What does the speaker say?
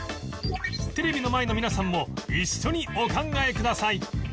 テレビの前の皆さんも一緒にお考えください